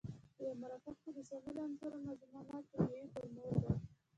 په یوه مرکب کې د شاملو عنصرونو مجموعه کیمیاوي فورمول دی.